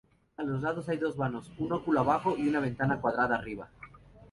A los lados hay dos vanos, un óculo abajo y una ventana cuadrada arriba.